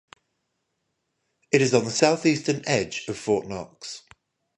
It is on the southeastern edge of Fort Knox.